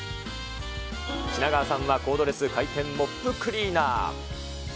品川さんはコードレス回転モップクリーナー。